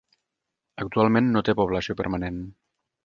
Actualment no té població permanent.